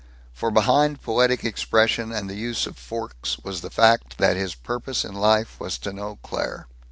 For behind poetic expression and the use of forks was the fact that his purpose in life was to know Claire.